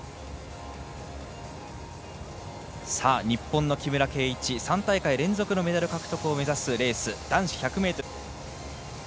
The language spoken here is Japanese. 日本の木村敬一３大会連続のメダル獲得を目指すレース。